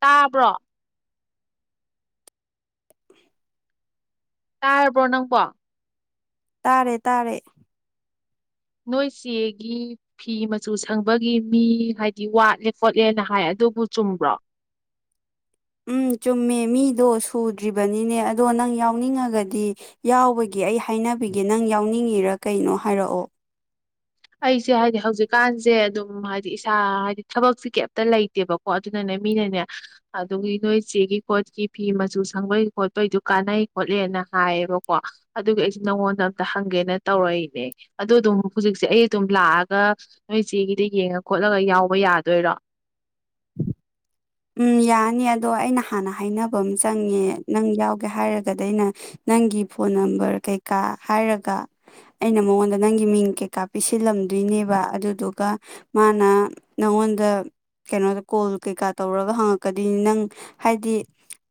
ꯇꯥꯕ꯭ꯔꯣ [inaudible] ꯇꯥꯔꯕ꯭ꯔꯣ ꯅꯪꯀꯣ ꯇꯥꯔꯦ ꯇꯥꯔꯦ ꯅꯣꯏ ꯆꯦꯒꯤ ꯐꯤ ꯃꯆꯨ ꯁꯪꯕꯒꯤ ꯃꯤ ꯍꯥꯏꯗꯤ ꯋꯥꯠꯂꯦ ꯈꯣꯠꯂꯦꯅ ꯍꯥꯏ ꯑꯗꯨꯕꯨ ꯆꯨꯝꯕ꯭ꯔꯣ ꯎꯝ ꯆꯨꯝꯃꯦ ꯃꯤꯗꯣ ꯁꯨꯗ꯭ꯔꯤꯕꯅꯤꯅꯦ ꯑꯗꯣ ꯅꯪ ꯌꯥꯎꯅꯤꯡꯉꯒꯗꯤ ꯌꯥꯎꯕꯒꯤꯦ ꯑꯩ ꯍꯥꯏꯅꯕꯤꯒꯦ ꯅꯪ ꯌꯥꯎꯅꯤꯡꯉꯤꯔꯥ ꯀꯩꯅꯣ ꯍꯥꯏꯔꯛꯑꯣ ꯑꯩꯁꯦ ꯍꯥꯏꯗꯤ ꯍꯧꯖꯤꯛꯀꯥꯟꯁꯦ ꯑꯗꯨꯝ ꯍꯥꯏꯗꯤ ꯏꯁꯥ ꯍꯥꯏꯗꯤ ꯊꯕꯛꯁꯦ ꯀꯩꯝꯇ ꯂꯩꯇꯦꯕꯀꯣ ꯑꯗꯨꯅꯅꯦ ꯃꯤꯅꯅꯦ ꯑꯗꯨꯝꯒꯤ ꯅꯣꯏ ꯆꯦꯒꯤ ꯈꯣꯠꯀꯤ ꯐꯤ ꯃꯆꯨ ꯁꯪꯕꯩ ꯈꯣꯠꯄꯩꯗꯨ ꯀꯥꯟꯅꯩ ꯈꯣꯠꯂꯦꯅ ꯍꯥꯏꯌꯦꯕꯀꯣ ꯑꯗꯨꯒꯤ ꯑꯩꯁꯨꯦ ꯅꯉꯣꯟꯗ ꯑꯝꯇ ꯍꯪꯒꯦꯅ ꯇꯧꯔꯛꯏꯅꯦ ꯑꯗꯨꯗ ꯑꯗꯨꯝ ꯍꯧꯖꯤꯛꯁꯦ ꯑꯩ ꯑꯗꯨꯨꯝ ꯂꯥꯛꯑꯒ ꯅꯣꯏ ꯏ ꯆꯦꯒꯤꯗ ꯌꯦꯡꯉ ꯈꯣꯠꯂꯒ ꯌꯥꯎꯕ ꯌꯥꯗꯣꯏꯔꯣ ꯎꯝ ꯌꯥꯅꯤ ꯑꯗꯣ ꯑꯩꯅ ꯍꯥꯟꯅ ꯍꯥꯏꯅꯕ ꯑꯃ ꯆꯪꯉꯦ ꯅꯪ ꯌꯥꯎꯒꯦ ꯍꯥꯏꯔꯒꯗꯤ ꯑꯩꯅ ꯅꯪꯒꯤ ꯐꯣꯟ ꯅꯝꯕꯔ ꯀꯩꯀꯥ ꯍꯥꯏꯔꯒ ꯑꯩꯅ ꯃꯉꯣꯟꯗ ꯅꯪꯒꯤ ꯃꯤꯡ ꯀꯩꯀꯥ ꯄꯤꯁꯤꯜꯂꯝꯗꯣꯏꯅꯦꯕ ꯑꯗꯨꯗꯨꯒ ꯃꯥꯅ ꯅꯪꯉꯣꯟꯗ ꯀꯩꯅꯣꯗ ꯀꯣꯜ ꯀꯩꯀꯥ ꯇꯧꯔꯒ ꯍꯪꯉꯛꯀꯗꯣꯏꯅꯤ ꯅꯪ ꯍꯥꯏꯗꯤ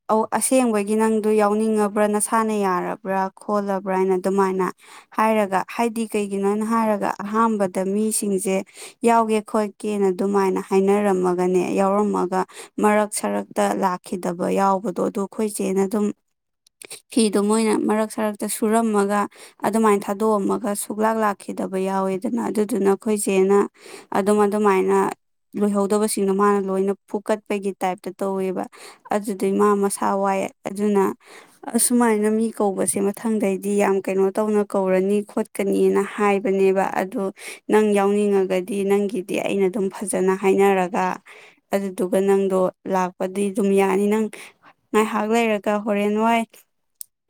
ꯑꯁꯦꯡꯕꯒꯤ ꯅꯪꯗꯣ ꯌꯥꯎꯅꯤꯡꯉꯕ꯭ꯔꯥ ꯅꯁꯥꯅ ꯌꯥꯔꯕ꯭ꯔꯥ ꯈꯣꯜꯂꯕ꯭ꯔꯥꯅ ꯑꯗꯨꯃꯥꯏꯅ ꯍꯥꯏꯔꯒ ꯍꯥꯏꯗꯤ ꯀꯩꯒꯤꯅꯣꯅ ꯍꯥꯏꯔꯒ ꯑꯍꯥꯟꯕꯗ ꯃꯤꯁꯤꯡꯁꯦ ꯌꯥꯎꯒꯦ ꯈꯣꯠꯀꯦꯅ ꯑꯗꯨꯃꯥꯏꯅ ꯍꯥꯏꯅꯔꯝꯃꯒꯅꯦ ꯌꯥꯎꯔꯝꯃ ꯃꯔꯛ ꯁꯔꯛꯇ ꯂꯥꯛꯈꯤꯗꯕ ꯌꯥꯎꯕꯗꯣ ꯑꯗꯨꯗ ꯑꯩꯈꯣꯏꯆꯦꯅ ꯑꯗꯨꯝ ꯐꯤꯗꯣ ꯃꯣꯏꯅ ꯃꯔꯛ ꯁꯔꯛꯇ ꯁꯨꯔꯝꯃꯒ ꯑꯗꯨꯃꯥꯏꯅ ꯊꯥꯗꯣꯛꯑꯝꯃꯒ ꯁꯨꯛꯂꯥꯛ ꯂꯥꯛꯈꯤꯗꯕ ꯌꯥꯎꯋꯦꯗꯅ ꯑꯗꯨꯗꯨꯅ ꯑꯩꯈꯣꯏꯆꯦꯅ ꯑꯗꯨꯝ ꯑꯗꯨꯃꯥꯏꯅ ꯂꯣꯏꯍꯧꯗꯕꯁꯤꯡꯗꯣ ꯃꯥꯅ ꯂꯣꯏꯅ ꯐꯨꯀꯠꯄꯒꯤ ꯇꯥꯏꯞꯇ ꯇꯧꯋꯦꯕ ꯑꯗꯨꯗ ꯃꯥ ꯃꯁꯥ ꯋꯥꯏꯑ ꯑꯗꯨꯅ ꯑꯁꯨꯃꯥꯏꯅ ꯃꯤ ꯀꯧꯕꯁꯦ ꯃꯊꯪꯗꯩꯗꯤ ꯌꯥꯝ ꯀꯩꯅꯣ ꯇꯧꯅ ꯀꯧꯔꯅꯤ ꯈꯣꯠꯀꯅꯤꯅ ꯍꯥꯏꯕꯅꯦꯕ ꯑꯗꯨꯗ ꯅꯪ ꯌꯥꯎꯅꯤꯡꯉꯒꯗꯤ ꯅꯪꯒꯤꯗꯤ ꯑꯩꯅ ꯑꯗꯨꯝ ꯐꯖꯅ ꯍꯥꯏꯅꯔꯒ ꯑꯗꯨꯗꯨꯒ ꯅꯪꯗꯣ ꯂꯥꯛꯄꯗꯤ ꯑꯗꯨꯝ ꯌꯥꯅꯤ ꯅꯪ ꯉꯥꯏꯍꯥꯛ ꯂꯩꯔꯒ ꯍꯣꯔꯦꯟ ꯋꯥꯏ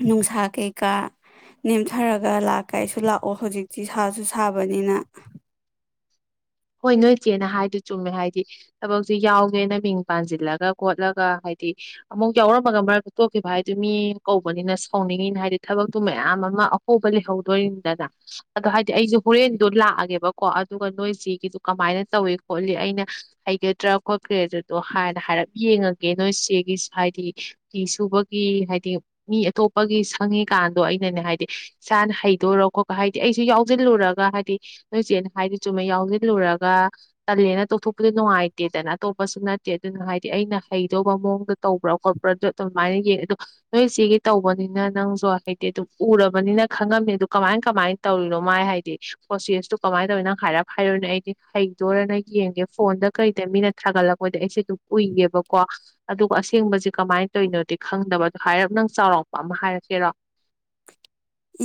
ꯅꯨꯡꯁꯥ ꯀꯩꯀꯥ ꯅꯦꯝꯊꯔꯒ ꯂꯥꯛ ꯀꯥꯏꯁꯨ ꯂꯥꯛꯑꯣ ꯍꯧꯖꯤꯛꯇꯤ ꯁꯥꯁꯨ ꯁꯥꯕꯅꯤꯅ ꯍꯣꯏ ꯅꯣꯏ ꯏꯆꯦꯅ ꯍꯥꯏꯗꯤ ꯆꯨꯝꯃꯦ ꯍꯥꯏꯗꯤ ꯊꯕꯛꯁꯤ ꯌꯥꯎꯒꯦꯅ ꯃꯤꯡ ꯄꯥꯟꯁꯤꯜꯂꯒ ꯈꯣꯠꯂꯒ ꯍꯥꯏꯗꯤ ꯑꯃꯨꯛ ꯌꯥꯎꯔꯝꯃꯒ ꯃꯔꯛꯇ ꯇꯣꯛꯈꯤꯕ ꯍꯥꯏꯗꯨ ꯃꯤ ꯀꯧꯕꯅꯤꯅ ꯁꯥꯎꯅꯤꯡꯉꯤꯅ ꯍꯥꯏꯗꯤ ꯊꯕꯛꯇꯨ ꯃꯌꯥꯝ ꯑꯃ ꯑꯍꯣꯕ ꯂꯩꯍꯧꯗꯣꯔꯤꯅꯤꯗꯅ ꯑꯗꯣ ꯍꯥꯏꯗꯤ ꯑꯩꯁꯨ ꯍꯣꯔꯦꯟꯗꯣ ꯂꯥꯛꯑꯒꯦꯕꯀꯣ ꯑꯗꯨꯒ ꯅꯣꯏꯁꯤ ꯁꯨ ꯀꯃꯥꯏꯅ ꯇꯧꯏꯤ ꯈꯣꯠꯂꯤ ꯑꯩꯅ ꯍꯩꯒꯗ꯭ꯔꯥ ꯈꯣꯠꯀ꯭ꯔꯦ ꯑꯗꯨꯗꯣ ꯍꯥꯏꯅ ꯍꯥꯏꯔꯞ ꯌꯦꯡꯉꯒꯦ ꯅꯣꯏ ꯆꯦꯒꯤ ꯍꯥꯏꯗꯤ ꯐꯤ ꯁꯨꯕꯒꯤ ꯍꯥꯏꯗꯤ ꯃꯤ ꯑꯇꯣꯞꯄꯒꯤ ꯁꯪꯉꯤꯀꯥꯟꯗꯣ ꯑꯩꯅꯅꯦ ꯍꯥꯏꯗꯤ ꯏꯁꯥꯅ ꯍꯩꯗꯣꯔꯣ ꯈꯣꯠꯄ ꯍꯥꯏꯗꯤ ꯑꯩꯁꯨ ꯌꯥꯎꯁꯤꯜꯂꯨꯔꯒ ꯍꯥꯏꯗꯤ ꯅꯣꯏ ꯏꯆꯦꯅ ꯍꯥꯏꯗꯤ ꯆꯨꯝꯃꯦꯩ ꯌꯥꯎ ꯜꯂꯨꯔꯒ ꯇꯜꯂꯦꯅ ꯇꯣꯛꯊꯣꯛꯄꯗꯤ ꯅꯨꯡꯉꯥꯏꯇꯦꯗꯅ ꯑꯇꯣꯞꯄꯁꯨ ꯅꯠꯇꯦ ꯑꯗꯨꯅ ꯍꯥꯏꯗꯤ ꯑꯩꯅ ꯍꯩꯗꯧꯕ ꯃꯑꯣꯡꯗ ꯇꯧꯕ꯭ꯔꯥ ꯈꯣꯠꯄ꯭ꯔꯥꯗ ꯑꯗꯨꯃꯥꯏꯅ ꯌꯦꯡꯉ ꯑꯗꯣ ꯅꯣꯏ ꯏ ꯁꯤꯦꯒꯤ ꯇꯧꯕꯅꯤꯅ ꯅꯪꯁꯨ ꯍꯥꯏꯗꯤ ꯑꯗꯨꯝ ꯎꯔꯕꯅꯤꯅ ꯈꯪꯉꯝꯃꯦ ꯑꯗꯨ ꯀꯃꯥꯏ ꯀꯃꯥꯏꯅ ꯇꯧꯔꯤꯅꯣ ꯃꯥꯏ ꯍꯥꯏꯗꯤ ꯄ꯭ꯔꯣꯁꯦꯁꯇꯨ ꯀꯃꯥꯏꯅ ꯇꯧꯋꯤ ꯅꯪ ꯍꯥꯏꯔ ꯍꯥꯏꯔꯣꯅꯦ ꯑꯩꯗꯤ ꯍꯩꯗꯣꯔꯅ ꯌꯦꯡꯒꯦ ꯐꯣꯟꯗ ꯀꯩꯗ ꯃꯤꯅ ꯊꯥꯒꯠꯂꯛꯄꯗ ꯑꯩꯁꯦ ꯑꯗꯨꯝ ꯎꯏꯒꯦꯕꯀꯣ ꯑꯗꯨꯒ ꯑꯁꯦꯡꯕꯁꯦ ꯀꯃꯥꯏꯅ ꯇꯧꯔꯤꯅꯣꯗꯤ ꯈꯪꯗꯕ ꯑꯗꯣ ꯍꯥꯏꯔꯞ ꯅꯪ ꯆꯥꯎꯔꯥꯛꯄ ꯑꯃ ꯍꯥꯏꯔꯛꯀꯦꯔꯣ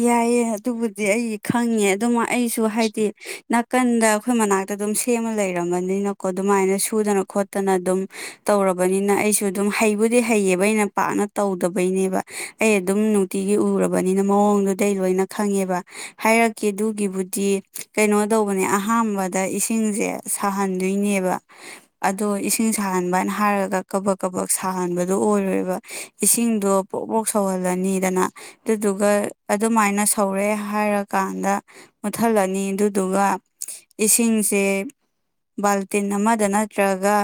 ꯌꯥꯏꯌꯦꯦ ꯑꯗꯨꯕꯨꯗꯤ ꯑꯩ ꯈꯪꯉꯦ ꯑꯗꯨꯝ ꯑꯩꯁꯨ ꯍꯥꯏꯗꯤ ꯅꯥꯀꯟꯗ ꯑꯩꯈꯣꯏ ꯃꯅꯥꯛꯇ ꯑꯗꯨꯝ ꯁꯦꯝꯃ ꯂꯩꯔꯝꯕꯅꯤꯅꯀꯣ ꯑꯗꯨꯃꯥꯏꯅ ꯁꯨꯗꯅ ꯈꯣꯠꯇꯅ ꯑꯗꯨꯝ ꯇꯧꯔꯕꯅꯤꯅ ꯑꯩꯁꯨ ꯑꯗꯨꯝ ꯍꯩꯕꯨꯗꯤ ꯍꯩꯌꯦꯕ ꯑꯩꯅ ꯄꯥꯛꯅ ꯇꯧꯗꯕꯩꯅꯦꯕ ꯑꯩ ꯑꯗꯨꯝ ꯅꯨꯡꯇꯤꯒꯤ ꯎꯔꯕꯅꯤꯅ ꯃꯑꯣꯡꯗꯨꯗꯩ ꯂꯣꯏꯅ ꯈꯪꯉꯦꯕ ꯍꯥꯏꯔꯛꯀꯦ ꯑꯗꯨꯒꯤꯕꯨꯗꯤ ꯀꯩꯅꯣ ꯇꯧꯕꯅꯦ ꯑꯍꯥꯟꯕꯗ ꯏꯁꯤꯡꯁꯦ ꯁꯥꯍꯟꯗꯣꯏꯅꯦꯕ ꯑꯗꯣ ꯏꯁꯤꯡ ꯁꯥꯍꯟꯕꯅ ꯍꯥꯏꯔꯒ ꯀꯕꯛ ꯀꯕꯛ ꯁꯥꯍꯟꯕꯗꯣ ꯑꯣꯏꯔꯣꯏꯕ ꯏꯁꯤꯡꯗꯣ ꯄ꯭ꯔꯣꯛ ꯄ꯭ꯔꯣꯛ ꯁꯧꯍꯜꯂꯅꯤꯗꯅ ꯑꯗꯨꯒ ꯑꯗꯨꯃꯥꯏꯅ ꯁꯧꯔꯦ ꯍꯥꯏꯔꯀꯥꯟꯗ ꯃꯨꯠꯊꯠꯂꯅꯤ ꯑꯗꯨꯗꯨꯒ ꯏꯁꯤꯡꯁꯦ ꯕꯥꯜꯇꯤꯟ ꯑꯃꯗ ꯅꯠꯇ꯭ꯔꯒ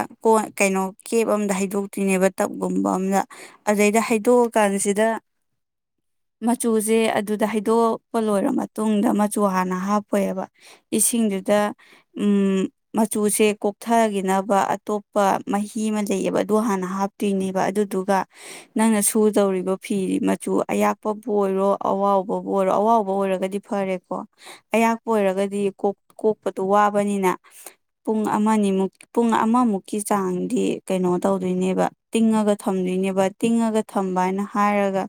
ꯀꯩꯅꯣ ꯀꯦꯞ ꯑꯃꯝꯗ ꯍꯩꯗꯣꯛꯇꯣꯏꯅꯦꯕ ꯇꯞꯒꯨꯝꯕ ꯑꯝꯗ ꯑꯗꯨꯗꯩꯗ ꯍꯩꯗꯣꯛꯑꯀꯥꯟꯁꯤꯗ ꯃꯆꯨꯁꯦ ꯑꯗꯨꯗ ꯍꯥꯏꯩꯗꯣꯛꯄ ꯂꯣꯏꯔ ꯃꯇꯨꯡꯗ ꯃꯆꯨ ꯍꯥꯟꯅ ꯍꯥꯞꯄꯣꯏꯦꯕ ꯏꯁꯤꯡꯗꯨꯗ ꯃꯆꯨꯁꯦ ꯀꯣꯛꯊꯈꯤꯅꯕ ꯑꯇꯣꯞꯄ ꯃꯍꯤ ꯑꯃ ꯂꯩꯌꯦꯕ ꯑꯗꯨ ꯍꯥꯟꯅ ꯍꯥꯞꯇꯣꯏꯅꯦꯕ ꯑꯗꯨꯗꯨꯒ ꯅꯪꯅ ꯁꯨꯗꯧꯔꯤꯕ ꯐꯤ ꯃꯆꯨ ꯑꯌꯥꯛ ꯀꯄꯕꯨ ꯑꯣꯏꯔꯣ ꯑꯋꯥꯥꯎꯕꯕꯨ ꯑꯣꯏꯔꯣ ꯑꯋꯥꯥꯎꯕ ꯑꯣꯏꯔꯒꯗꯤ ꯐꯔꯦꯀꯣ ꯑꯌꯥꯛꯄ ꯑꯣꯏꯔꯒꯗꯤ ꯀꯣꯛꯄꯗꯣ ꯋꯥꯕꯅꯤꯅ ꯄꯨꯡ ꯑꯃ ꯑꯅꯤꯃꯨꯛ ꯄꯨꯡ ꯑꯃꯃꯨꯛꯀꯤ ꯆꯥꯡꯗꯤ ꯀꯩꯅꯣ ꯇꯧꯗꯣꯏꯅꯦꯕ ꯇꯤꯡꯉꯒ ꯊꯝꯗꯣꯏꯅꯦꯕ ꯇꯤꯡꯉꯒ ꯊꯝꯕ ꯍꯥꯏꯅ ꯍꯥꯏꯔꯒ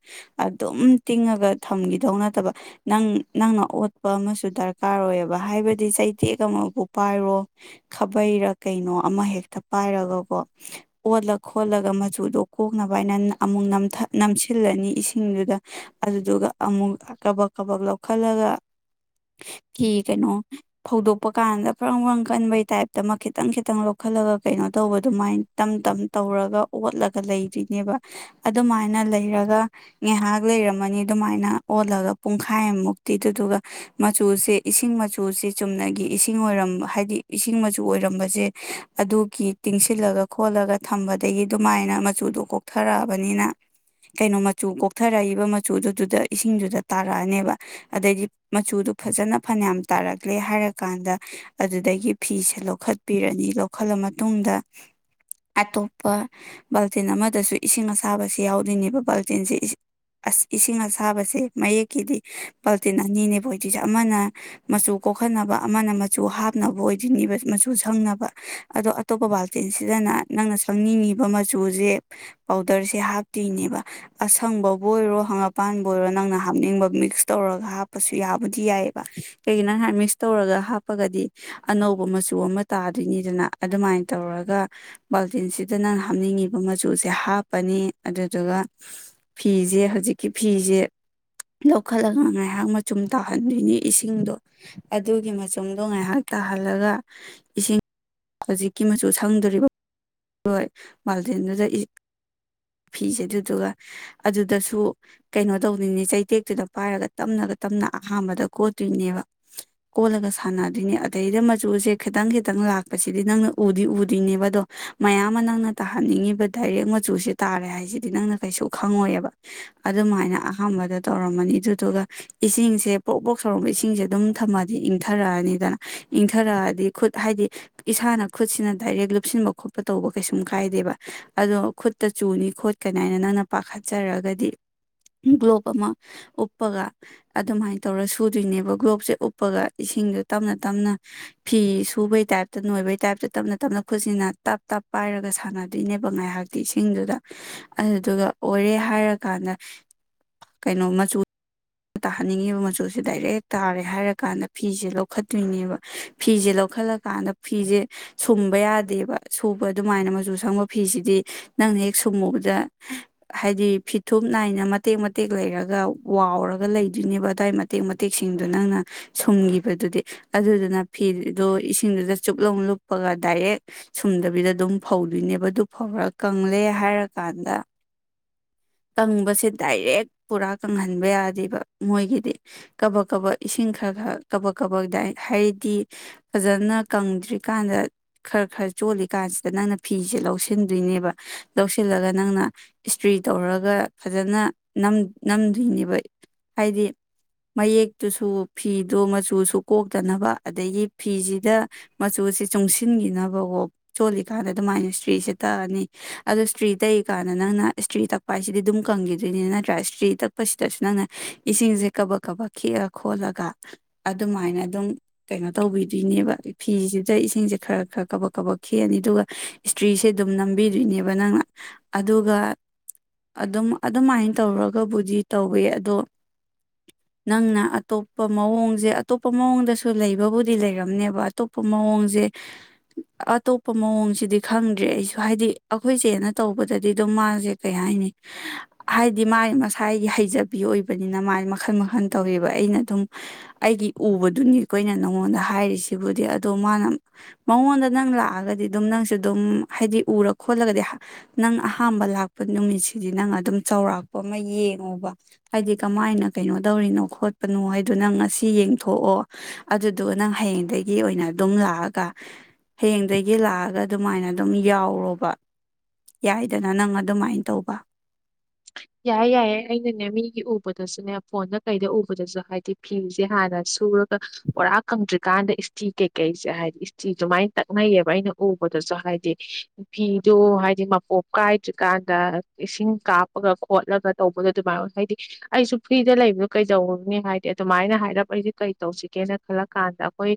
ꯑꯗꯨꯝ ꯇꯤꯡꯉꯒ ꯊꯝꯈꯤꯗꯧ ꯅꯠꯇꯕ ꯅꯪ ꯅꯪꯅ ꯑꯣꯠꯄ ꯑꯃꯁꯨ ꯗꯔꯀꯥꯔ ꯑꯣꯏꯌꯦꯕ ꯍꯥꯏꯕꯗꯤ ꯆꯩꯊꯦꯛ ꯑꯃꯕꯨ ꯄꯥꯏꯔꯣ ꯈꯥꯕꯩꯔꯥ ꯀꯩꯅꯣ ꯑꯃ ꯍꯦꯛꯇ ꯄꯥꯏꯔꯒꯀꯣ ꯑꯣꯠꯂ ꯈꯣꯠꯂꯒ ꯃꯆꯨꯗꯣ ꯀꯣꯛꯅꯕ ꯍꯥꯏꯅ ꯑꯃꯨꯛ ꯅꯝꯁꯤꯜꯂꯅꯤ ꯏꯁꯤꯡ ꯁꯤꯡꯗꯨꯗ ꯑꯗꯨꯗꯨꯒ ꯑꯃꯨꯛ ꯀꯕꯛ ꯀꯕꯛ ꯂꯧꯈꯠꯂꯒ ꯐꯤ ꯀꯩꯅꯣ ꯐꯧꯗꯣꯛꯄ ꯀꯥꯟꯗ ꯐ꯭ꯔꯪ ꯐ꯭ꯔꯪ ꯀꯟꯕꯩ ꯇꯥꯏꯞꯇ ꯑꯃ ꯈꯤꯇꯪ ꯈꯤꯇꯪ ꯂꯧꯈꯠꯂꯒ ꯀꯩꯅꯣ ꯇꯧꯕ ꯑꯗꯨꯃꯥꯏꯅ ꯇꯝ ꯇꯝ ꯇꯧꯔꯒ ꯑꯣꯠꯂꯒ ꯂꯩꯔꯤꯔꯤꯅꯦꯕ ꯑꯗꯨꯃꯥꯏꯅ ꯂꯩꯔꯒ ꯉꯥꯏꯍꯥꯛ ꯂꯩꯔꯝꯃꯅꯤ ꯑꯗꯨꯃꯥꯏꯅ ꯑꯣꯜꯂꯒ ꯄꯨꯡꯈꯥꯏꯃꯨꯛꯇꯤ ꯑꯗꯨꯗꯨꯒ ꯃꯆꯨꯁꯦ ꯏꯁꯤꯡ ꯃꯆꯨꯁꯦ ꯆꯨꯝꯅꯒꯤ ꯏꯁꯤꯡ ꯑꯣꯏꯔ ꯍꯥꯏꯗꯤ ꯏꯁꯤꯡ ꯃꯆꯨ ꯑꯣꯏꯔꯝꯕꯁꯦ ꯑꯗꯨꯒꯤ ꯇꯤꯡꯁꯤꯜꯂꯒ ꯈꯣꯠꯂꯒ ꯊꯝꯕꯗꯒꯤ ꯑꯗꯨꯃꯥꯏꯅ ꯃꯆꯨꯗꯣ ꯀꯣꯛꯊꯔꯛꯑꯕꯅꯤꯅ ꯀꯩꯅꯣ ꯃꯆꯨ ꯀꯣꯛꯊꯔꯛꯏꯕ ꯃꯆꯨꯗꯨꯗꯨꯗ ꯏꯁꯤꯡꯗꯨꯗ ꯇꯥꯔꯛꯑꯅꯦꯕ ꯑꯗꯩꯗꯤ ꯃꯆꯨꯗꯨ ꯐꯖꯅ ꯐꯅꯌꯥꯝ ꯇꯥꯔꯛꯂꯦ ꯍꯥꯏꯔꯀꯥꯟꯗ ꯑꯗꯨꯗꯒꯤ ꯐꯤꯁꯦ ꯂꯧꯈꯠꯄꯤꯔꯅꯤ ꯂꯧꯈꯠꯂ ꯃꯇꯨꯡꯗ ꯑꯇꯣꯞꯄ ꯕꯥꯜꯇꯤꯟ ꯑꯃꯗꯁꯨ ꯏꯁꯤꯡ ꯑꯁꯥꯕꯁ ꯌꯥꯎꯗꯣꯏꯅꯦꯕ ꯕꯥ ꯕꯥꯜꯇꯤꯟꯁꯦ ꯑꯁ ꯏꯁꯤꯡ ꯑꯁꯥꯕꯁꯦ ꯃꯌꯦꯛꯀꯤꯗꯤ ꯕꯥꯜꯇꯤꯟ ꯑꯅꯤꯅꯦꯕ ꯑꯣꯏꯇꯁꯦ ꯑꯃꯅ ꯃꯆꯨ ꯀꯣꯛꯍꯟꯅꯕ ꯑꯃꯅ ꯃꯆꯨ ꯍꯥꯞꯅꯕ ꯑꯣꯏꯗꯣꯏꯕ ꯃꯆꯨ ꯁꯪꯅꯕ ꯑꯗꯣ ꯑꯇꯣꯞꯄ ꯕꯥꯜꯇꯤꯟꯁꯤꯗꯅ ꯅꯪꯅ ꯁꯪꯅꯤꯡꯉꯤꯕ ꯃꯆꯨꯁꯦ ꯄꯥꯎꯗꯔꯁꯦ ꯍꯥꯞꯇꯣꯏꯅꯦꯕ ꯑꯁꯪꯕꯕꯨ ꯑꯣꯏꯔꯣ ꯍꯪꯒꯄꯕꯨ ꯑꯣꯏꯔꯣ ꯅꯪꯅ ꯍꯥꯞꯅꯤꯡꯕ ꯃꯤꯛꯁ ꯇꯧꯔꯒ ꯍꯥꯞꯄꯁꯨ ꯌꯥꯕꯨꯗꯤ ꯌꯥꯏꯑꯕ ꯀꯩꯒꯤꯅ ꯅꯪ ꯃꯤꯛꯁ ꯇꯧꯔꯒ ꯍꯥꯞꯄꯒꯗꯤ ꯑꯅꯧꯕ ꯃꯆꯨ ꯑꯃ ꯇꯥꯗꯣꯏꯅꯤꯗꯅ ꯑꯗꯨꯃꯥꯏꯅ ꯇꯧꯔꯒ ꯕꯥꯜꯇꯤꯟꯁꯤꯗ ꯅꯪꯅ ꯍꯥꯞꯅꯤꯡꯉꯤꯕ ꯃꯆꯨꯁꯦ ꯍꯥꯞꯄꯅꯤ ꯑꯗꯨꯗꯨꯒ ꯐꯤꯁꯦ ꯍꯧꯖꯤꯛꯀꯤ ꯐꯤꯁꯦ ꯂꯧꯈꯠꯂꯒ ꯉꯥꯏꯍꯥꯛ ꯃꯆꯨꯝ ꯇꯥꯍꯟꯗꯣꯏꯅꯤ ꯏꯁꯤꯡꯗꯣ ꯑꯗꯨꯒꯤ ꯃꯆꯨꯝꯗꯣ ꯉꯥꯏꯍꯥꯛ ꯇꯥꯍꯜꯂꯒ ꯏꯁꯤꯡ ꯍꯧꯖꯤꯛꯀꯤ ꯃꯆꯨ ꯁꯪꯗꯣꯔꯤꯕ ꯃꯥꯜꯗꯦꯟꯗꯨꯗ ꯐꯤꯁꯦ꯫ ꯑꯗꯨꯒ ꯑꯗꯨꯗꯁꯨ ꯀꯩꯅꯣ ꯇꯧꯗꯣꯏꯅꯦ ꯆꯩꯇꯦꯛꯇꯨꯗ ꯄꯥꯏꯔꯒ ꯇꯞꯅꯒ ꯇꯞꯅ ꯑꯍꯥꯥꯟꯕꯗ ꯀꯣꯠꯇꯣꯏꯅꯦꯕ ꯀꯣꯠꯂꯒ ꯁꯥꯟꯅꯗꯣꯏꯅꯦ ꯑꯗꯩꯗ ꯃꯆꯨꯁꯦ ꯈꯤꯇꯪ ꯈꯤꯇꯪ ꯂꯥꯛꯄꯁꯤꯗꯤ ꯅꯪꯅ ꯎꯗꯤ ꯎꯗꯣꯏꯅꯦꯕ ꯑꯗꯣ ꯃꯌꯥꯝ ꯑꯃ ꯅꯪꯅ ꯇꯥꯍꯟꯅꯤꯡꯉꯤꯕ ꯗꯥꯏꯔꯦꯛ ꯃꯆꯨꯁꯦ ꯇꯥꯔꯦ ꯍꯥꯏꯁꯤꯗꯤ ꯅꯪꯅ꯫ ꯀꯩꯁꯨ ꯈꯪꯉꯣꯏꯑꯦꯕ ꯑꯗꯨꯃꯥꯏꯅ ꯑꯍꯥꯟꯕꯗ ꯇꯧꯔꯝꯃꯅꯤ ꯑꯗꯨꯗꯨꯒ ꯏꯁꯤꯡꯁꯦ ꯄꯣꯛ ꯄꯣꯛ ꯁꯧꯔꯝꯕ ꯏꯁꯤꯡꯁꯦ ꯑꯗꯨꯝ ꯊꯝꯃꯗꯤ ꯏꯪꯊꯔꯛꯑꯅꯤꯗꯅ ꯏꯪꯊꯔꯛꯑꯗꯤ ꯈꯨꯠ ꯍꯥꯏꯗꯤ ꯏꯁꯥꯅ ꯈꯨꯠꯁꯤꯅ ꯗꯥꯏꯔꯦꯛ ꯂꯨꯞꯁꯤꯟꯕ ꯈꯣꯠꯄ ꯇꯧꯕ ꯀꯩꯁꯨꯝ ꯀꯥꯏꯗꯦꯕ ꯑꯗꯣ ꯈꯨꯠꯇ ꯆꯨꯅꯤ ꯈꯣꯠꯀꯅꯤ ꯍꯥꯏꯅ꯫ ꯅꯪꯅ ꯄꯥꯈꯠꯆꯔꯒꯗꯤ ꯒ꯭ꯂꯣꯞ ꯑꯃ ꯎꯞꯄꯒ ꯑꯗꯨꯃꯥꯏꯅ ꯇꯧꯔ ꯁꯨꯗꯣꯏꯅꯦꯕ ꯒ꯭ꯂꯣꯞꯁꯦ ꯎꯞꯄꯒ ꯏꯁꯤꯡꯗꯣ ꯇꯞꯅ ꯇꯞꯅ ꯐꯤ ꯁꯨꯕꯩ ꯇꯥꯏꯞꯇ ꯅꯣꯏꯕꯩ ꯇꯥꯏꯞꯇ ꯇꯞꯅ ꯇꯞꯅ ꯈꯨꯠꯁꯤꯟꯅ ꯇꯞ ꯇꯞ ꯄꯥꯏꯔꯒ ꯁꯥꯟꯅꯗꯣꯏꯅꯦꯕ ꯉꯥꯏꯍꯥꯛꯇꯤ ꯏꯁꯤꯡꯗꯨꯗ꯫ ꯑꯗꯨꯗꯨꯒ ꯑꯣꯏꯔꯦ ꯍꯥꯏꯔꯀꯥꯟꯗ ꯀꯩꯅꯣ ꯃꯆꯨ ꯇꯥꯍꯟꯅꯤꯡꯉꯤꯕ ꯃꯆꯨꯁꯦ ꯗꯥꯏꯔꯦꯛ ꯍꯦꯛ ꯇꯥꯔꯦ ꯍꯥꯏꯔꯀꯥꯟꯗ ꯐꯤꯁꯦ ꯂꯧꯈꯠꯇꯣꯏꯅꯦꯕ ꯐꯤꯁꯦ ꯂꯧꯈꯠꯂꯀꯥꯟꯗ ꯐꯤꯁꯦ ꯁꯨꯝꯕ ꯌꯥꯗꯦꯕ ꯁꯨꯕ ꯑꯗꯨꯃꯥꯏꯅ ꯃꯆꯨ ꯁꯪꯕ ꯐꯤꯁꯤꯗꯤ ꯅꯪꯅ ꯍꯦꯛ ꯁꯨꯝꯃꯨꯕꯗ꯫ ꯍꯥꯏꯗꯤ ꯐꯤꯊꯨꯞ ꯅꯥꯏꯅ ꯃꯇꯦꯛ ꯃꯇꯦꯛ ꯂꯩꯔꯒ ꯋꯥꯎꯔꯒ ꯂꯩꯗꯣꯏꯅꯦꯕ ꯑꯗꯨꯋꯥꯏ ꯃꯇꯦꯛ ꯃꯇꯦꯛꯁꯤꯡꯗꯨꯣ ꯅꯪꯅ ꯁꯨꯝꯈꯤꯕꯗꯨꯗꯤ ꯑꯗꯨꯗꯨꯅ ꯐꯤꯗꯣ ꯏꯁꯤꯡꯗꯨꯗ ꯆꯨꯞꯂꯣ ꯂꯨꯞꯄꯒ ꯗꯥꯏꯔꯦꯛ ꯁꯨꯝꯗꯕꯤꯗ ꯑꯗꯨꯝ ꯐꯧꯗꯣꯏꯅꯦꯕ ꯑꯗꯨ ꯐꯧꯔ ꯀꯪꯂꯦ ꯍꯥꯏꯔꯀꯥꯟꯗ꯫ ꯀꯪꯕꯁꯦ ꯗꯥꯏꯔꯦꯛ ꯄꯨꯔꯥ ꯀꯪꯍꯟꯕ ꯌꯥꯗꯦꯕ ꯃꯣꯏꯒꯤꯗꯤ ꯀꯕ ꯀꯕ ꯏꯁꯤꯡ ꯈꯔ ꯈꯔ ꯀꯕꯛ ꯀꯕꯛ ꯗꯥꯏ ꯍꯥꯏꯗꯤ ꯐꯖꯅ ꯀꯪꯗ꯭ꯔꯤꯀꯥꯟꯗ ꯈꯔ ꯈꯔ ꯆꯣꯠꯜꯂꯤꯀꯥꯟꯁꯤꯗ ꯅꯪꯅ ꯐꯤꯁꯦ ꯂꯧꯁꯤꯟꯗꯣꯏꯅꯦꯕ ꯂꯧꯁꯤꯜꯂꯒ ꯅꯪꯅ꯫ ꯏꯁꯇ꯭ꯔꯤ ꯇꯧꯔꯒ ꯐꯖꯅ ꯅꯝꯗꯣꯏꯅꯦꯕ ꯍꯥꯏꯗꯤ ꯃꯌꯦꯛꯇꯨꯁꯨ ꯐꯤꯗꯣ ꯃꯆꯨꯁꯨ ꯀꯣꯛꯇꯅꯕ ꯑꯗꯒꯤ ꯐꯤꯁꯤꯗ ꯃꯆꯨꯁꯤ ꯆꯨꯡꯁꯤꯟꯈꯤꯅꯕꯀꯣ ꯆꯣꯜꯂꯤꯀꯥꯟꯗ ꯑꯗꯨꯃꯥꯏꯅ ꯏꯁꯇ꯭ꯔꯤꯁꯦ ꯇꯛꯑꯅꯤ ꯑꯗꯨ ꯏꯁꯇ꯭ꯔꯤ ꯇꯛꯏꯀꯥꯟꯗ꯫ ꯑꯗꯨꯅ ꯅꯪꯅ ꯏꯁꯇ꯭ꯔꯤ ꯇꯛꯄ ꯍꯥꯏꯁꯤꯗꯤ ꯑꯗꯨꯝ ꯀꯪꯈꯤꯗꯣꯏꯅꯤ ꯅꯠꯇ꯭ꯔꯥ ꯏꯁꯇ꯭ꯔꯤ ꯇꯛꯄꯁꯤꯗꯁꯨ ꯅꯪꯅ ꯏꯁꯤꯡꯁꯦ ꯀꯕ ꯀꯕ ꯈꯤꯛꯑ ꯈꯣꯠꯂꯒ ꯑꯗꯨꯃꯥꯏꯅ ꯑꯗꯨꯝ ꯀꯩꯅꯣ ꯇꯧꯕꯤꯗꯣꯏꯅꯦꯕ ꯐꯤꯁꯤꯗ ꯏꯁꯤꯡꯁꯦ ꯈꯔ ꯈꯔ ꯀꯕꯛ ꯀꯕꯛ ꯈꯤꯛꯑꯅꯤ ꯑꯗꯨꯒ ꯏꯁꯇ꯭ꯔꯤꯁꯦ ꯑꯗꯨꯝ ꯅꯝꯕꯤꯗꯣꯏꯅꯦꯕ ꯅꯪꯅ꯫ ꯑꯗꯨꯒ ꯑꯗꯨꯝ ꯑꯗꯨꯃꯥꯏꯅ ꯇꯧꯔꯒꯕꯨꯗꯤ ꯇꯧꯋ ꯑꯗꯣ ꯅꯪꯅ ꯑꯇꯣꯞꯄ ꯃꯑꯣꯡꯁꯦ ꯑꯇꯣꯞꯄ ꯃꯑꯣꯡꯗꯁꯨ ꯂꯩꯕꯕꯨꯗꯤ ꯂꯩꯔꯝꯅꯦꯕ ꯑꯇꯣꯞꯄ ꯃꯑꯣꯡꯁꯦ ꯑꯇꯣꯞꯄ ꯃꯑꯣꯡꯁꯤꯗꯤ ꯈꯪꯗ꯭ꯔꯦ ꯑꯩꯁꯨ ꯍꯥꯏꯗꯤ ꯑꯈꯣꯏꯆ‌ꯦꯅ ꯇꯧꯕꯗ꯫ ꯑꯗꯨꯗꯗꯤ ꯑꯗꯨꯝ ꯃꯥꯁꯦ ꯀꯩ ꯍꯥꯏꯅꯤ ꯍꯥꯏꯗꯤ ꯃꯥꯒꯤ ꯃꯁꯥꯏꯒꯤ ꯍꯩꯖꯕꯤ ꯑꯣꯏꯕꯅꯤꯅ ꯃꯥꯁ ꯃꯈꯜ ꯃꯈꯜ ꯇꯧꯋꯦꯕ ꯑꯩꯅ ꯑꯗꯨꯝ ꯑꯩꯒꯤ ꯎꯕꯗꯨꯅꯤꯈꯣꯏꯅ ꯅꯉꯣꯟꯗ ꯍꯥꯏꯔꯤꯁꯤꯕꯨꯗꯤ ꯑꯗꯣ ꯃꯥꯅ ꯃꯉꯣꯟꯗ ꯅꯪ ꯂꯥꯛꯑꯒꯗꯤ ꯑꯗꯨꯝ ꯅꯪꯁꯨ ꯑꯗꯨꯝ ꯍꯥꯏꯗꯤ ꯎꯔ ꯈꯣꯠꯂꯒꯗꯤ꯫ ꯅꯪ ꯑꯍꯥꯟꯕ ꯂꯥꯛꯄ ꯅꯨꯃꯤꯠꯁꯤꯗꯤ ꯅꯪ ꯑꯗꯨꯝ ꯆꯥꯎꯧꯔꯥꯛꯄ ꯑꯃ ꯌꯦꯡꯉꯣꯕ ꯍꯥꯏꯗꯤ ꯀꯃꯥꯏꯅ ꯀꯩꯅꯣ ꯇꯧꯔꯤꯅꯣ ꯈꯣꯠꯄꯅꯣ ꯍꯥꯏꯗꯨ ꯅꯪ ꯉꯁꯤ ꯌꯦꯡꯊꯣꯛꯑꯣ ꯑꯗꯨꯗꯣ ꯅꯪ ꯍꯌꯦꯡꯗꯒꯤ ꯑꯣꯏꯅ ꯑꯗꯨꯝ ꯂꯥꯛꯑꯒ ꯍꯌꯦꯡꯗꯒꯤ ꯂꯥꯛꯑꯒ ꯑꯗꯨꯃꯥꯏꯅ ꯑꯗꯨꯝ ꯌꯥꯎꯔꯣꯕ꯫ ꯌꯥꯏꯗꯅ ꯅꯪ ꯑꯗꯨꯃꯥꯏꯅ ꯇꯧꯕ꯫ ꯌꯥꯏꯦ ꯌꯥꯏꯌꯦ ꯑꯩꯅꯅꯦ ꯃꯤꯒꯤ ꯎꯕꯗꯁꯨꯅꯦ ꯐꯣꯟꯗ ꯀꯩꯗ ꯎꯕꯗꯁꯨ ꯍꯥꯏꯗꯤ ꯐꯤꯁꯦ ꯍꯥꯟꯅ ꯁꯨꯔ꯫ ꯄꫭꯔꯥ ꯀꯪꯗ꯭ꯔꯤ꯫ ꯀꯥꯟꯗ ꯏꯁꯇꯤ ꯀꯩꯀꯩꯁꯦ ꯍꯥꯏꯗꯤ ꯏꯁꯇꯤꯁꯨꯃꯥꯏꯅ ꯇꯛꯅꯩꯌꯦꯕ ꯑꯩꯅ ꯎꯕꯗꯁꯨ ꯍꯥꯏꯗꯤ ꯐꯤꯗꯨ ꯍꯥꯏꯗꯤ ꯃꯄꯣꯞ ꯀꯥꯏꯗ꯭ꯔꯤꯀꯥꯟꯗ ꯏꯁꯤꯡ ꯀꯥꯞ꯫ ꯒ ꯈꯣꯠꯂꯒ ꯇꯧꯕꯗꯣ ꯑꯗꯨꯃꯥꯏꯅ ꯍꯥꯏꯗꯤ ꯑꯩꯁꯨ ꯐ꯭ꯔꯤꯗ ꯂꯩꯕꯗꯣ ꯀꯩꯗꯅꯤ ꯍꯥꯏꯗꯤ ꯑꯗꯨꯃꯥꯏꯅ ꯍꯥꯏꯔꯞ ꯑꯩꯁꯦ ꯀꯩ ꯇꯧꯁꯤꯒꯦꯅ ꯈꯜꯂ ꯀꯥꯟꯗ ꯑꯩꯈꯣꯏ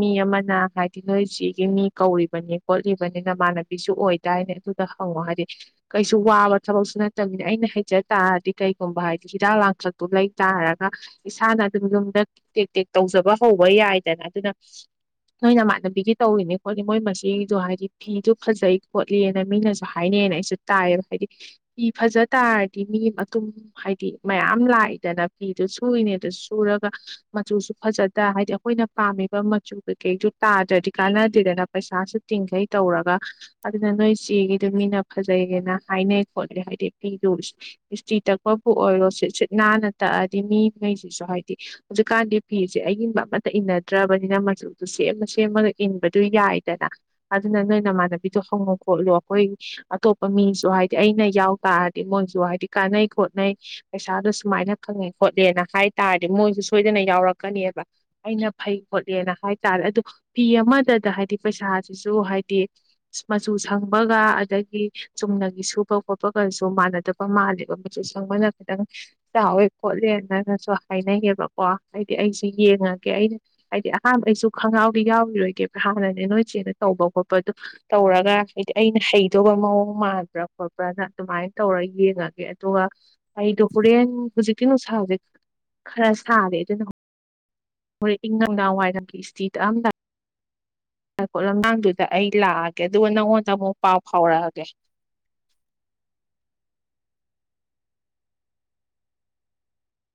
ꯃꯤ ꯑꯃꯅ ꯍꯥꯏꯗꯤ ꯅꯣꯏ ꯆꯒꯤ ꯃꯤ ꯀꯧꯔꯤꯕꯅꯤ ꯈꯣꯠꯂꯤꯕꯅꯤ ꯅꯃꯥꯟꯅꯕꯤꯁꯨ ꯑꯣꯏꯗꯥꯏꯅꯦ ꯑꯗꯨꯗ ꯍꯪꯉꯣ ꯍꯥꯏꯗꯤ ꯀꯩꯁꯨ ꯋꯥꯕ ꯊꯕꯛꯁꯨ ꯅ꯫ ꯅ ꯑꯩꯅ ꯍꯩꯖ ꯇꯥꯔꯗꯤ ꯀꯩꯒꯨꯝꯕ ꯍꯥꯏꯗꯤ ꯍꯤꯗꯥꯛ ꯂꯥꯡꯊꯛꯇꯨ ꯂꯩ ꯇꯥꯔꯒ ꯏꯁꯥꯅ ꯑꯗꯨꯝ ꯌꯨꯝꯗ ꯇꯦꯛ ꯇꯦꯛ ꯇꯧꯖꯕ ꯍꯧꯕ ꯌꯥꯏꯗꯅ ꯑꯗꯨꯅ ꯅꯣꯏꯅꯃꯥꯟꯅꯕꯤꯒꯤ ꯇꯧꯔꯤꯅꯤ ꯈꯣꯠꯂꯤ ꯃꯣꯏ ꯃꯁꯤꯗꯣ ꯍꯥꯏꯗꯤ ꯐꯤꯗꯨꯣ ꯐꯖꯩ ꯈꯣꯠꯂꯤꯅ ꯃꯤꯅꯁꯨ ꯍꯥꯏꯅꯩꯅ ꯑꯩꯁ‌ꯦ ꯇꯥꯏꯕ ꯍꯥꯏꯗꯤ꯫ ꯐꯤ ꯐꯖ ꯇꯥꯔꯗꯤ ꯃꯤ ꯃꯇꯨꯝ ꯍꯥꯏꯗꯤ ꯃꯌꯥꯝ ꯂꯥꯛꯏꯗꯅ ꯐꯤꯗꯨ ꯁꯨꯏꯅꯦ ꯑꯗꯨ ꯁꯨꯔꯒ ꯃꯆꯨꯁꯨ ꯐꯖꯗ ꯍꯥꯏꯗꯤ ꯑꯩꯈꯣꯏꯅ ꯄꯥꯝꯃꯤꯕ ꯃꯆꯨ ꯀꯩꯀꯩꯗꯨ ꯇꯥꯗ꯭ꯔꯗꯤ ꯀꯥꯟꯅꯗꯦꯗꯅ ꯄꯩꯁꯥꯁꯨ ꯇꯤꯡꯈꯩ ꯇꯧꯔꯒ ꯑꯗꯨꯅ ꯅꯣꯏ ꯆꯦꯒꯤꯗꯨ ꯃꯤꯅ ꯐꯖꯩꯒꯦꯅ ꯍꯥꯏꯅꯩ꯫ ꯈꯣꯠꯂꯤ ꯍꯥꯏꯗꯤ ꯐꯤꯗꯨ ꯏꯁꯇ꯭ꯔꯤ ꯇꯛꯄꯕꯨ ꯑꯣꯏꯔꯣ ꯁꯤꯠ ꯁꯤꯠ ꯅꯥꯟꯅ ꯇꯛꯑꯗꯤ ꯃꯤꯉꯩꯁꯤꯁꯨ ꯍꯥꯏꯗꯤ ꯍꯧꯖꯤꯛꯀꯥꯟꯗꯤ ꯐꯤꯁꯦ ꯑꯏꯟꯕ ꯑꯃꯇ ꯏꯟꯅꯗ꯭ꯔꯕꯅꯤꯅ ꯃꯆꯨꯗꯣ ꯁꯦꯝꯃ ꯁꯦꯝꯃꯒ ꯏꯟꯕꯗꯨ ꯌꯥꯏꯗꯅ ꯑꯗꯨꯅ ꯅꯣꯏ ꯅꯃꯥꯟꯅꯕꯤꯗꯣ ꯍꯪꯉꫭ ꯈꯣꯠꯂꯨ ꯑꯩꯈꯣꯏ ꯑꯇꯣꯞꯄ ꯃꯤꯁꯨ ꯍꯥꯏꯗꯤ꯫ ꯑꯩꯅ ꯌꯥꯎ ꯇꯥꯔꯗꯤ ꯃꯣꯏꯁꯨ ꯍꯥꯏꯗꯤ ꯀꯥꯟꯅꯩ ꯈꯣꯠꯅꯩ ꯄꯩꯁꯥꯗꯣ ꯁꯨꯃꯥꯏꯅ ꯈꯪꯉꯦ ꯈꯣꯠꯂꯦꯅ ꯍꯥꯏ ꯇꯥꯔꯗꯤ ꯃꯣꯏꯁꯨ ꯁꯣꯏꯗꯅ ꯌꯥꯎꯔꯛꯀꯅꯦꯕ ꯑꯩꯅ ꯐꯩ ꯈꯣꯠꯂꯦꯅ ꯍꯥꯏ ꯇꯥꯔꯦ ꯑꯗꯨꯗꯣ ꯐꯤ ꯑꯃꯗꯗ ꯍꯥꯏꯗꯤ ꯄꯩꯁꯥꯁꯤꯁꯨ ꯍꯥꯏꯗꯤ ꯃꯆꯨ ꯁꯪꯕꯒ ꯑꯗꯒꯤ ꯆꯨꯝꯅꯒꯤꯁꯨ꯫ ꯈꯣꯠꯄ ꯈꯣꯠꯄꯒꯁꯨ ꯃꯥꯟꯅꯗꯕ ꯃꯥꯜꯂꯦꯕ ꯃꯤꯆꯨ ꯁꯪꯕꯅ ꯈꯤꯇꯪ ꯆꯥꯎꯋꯦ ꯈꯣꯠꯂꯦꯅꯅꯁꯨ ꯍꯥꯏꯅꯩꯌꯦꯕꯀꯣ ꯍꯥꯏꯗꯤ ꯑꯩꯁꯨ ꯌꯦꯡꯉꯒꯦ ꯑꯩꯅ ꯍꯥꯏꯗꯤ ꯑꯍꯥꯟꯕ ꯑꯩꯁꯨ ꯈꯣꯡꯒꯥꯎꯗꯤ ꯌꯥꯎꯔꯔꯣꯏꯒꯦꯕ ꯍꯥꯟꯅꯅꯦ ꯅꯣꯏ ꯏ ꯆꯦꯅ ꯇꯧꯕ ꯈꯣꯠꯄꯗ ꯇꯧꯔꯒ ꯍꯥꯏꯗꯤ ꯑꯩꯅ ꯍꯩꯗꯧꯕ ꯃꯑꯣꯡ ꯃꯥꯟꯕ꯭ꯔꯥ ꯈꯣꯠꯄ꯫ ꯅ ꯑꯗꯨꯃꯥꯏꯅ ꯇꯧꯔ ꯌꯦꯡꯉꯒꯦ ꯑꯗꯨꯒ ꯑꯩꯗꯣ ꯍꯣꯔꯦꯟ ꯍꯧꯖꯤꯛꯀꯤ ꯅꯨꯡꯁꯥꯥꯁꯦ ꯈꯔ ꯁꯥꯔꯦ ꯑꯗꯨꯅ ꯍꯣꯔꯦꯟ ꯏꯪꯉꯪ ꯋꯥꯏ ꯒꯤ ꯏꯁꯇ꯭ꯔꯤ ꯇꯛꯑꯝꯗꯥꯏ ꯫ ꯂꯀꯣꯠ ꯂꯝꯉꯥꯡꯗꯨꯗ ꯑꯩ ꯂꯥꯛꯑꯒꯦ ꯑꯗꯨꯒ ꯅꯪꯉꯣꯟꯗ ꯑꯃꯨꯛ ꯄꯥꯎ ꯐꯥꯎꯔꯛꯑꯒꯦ꯫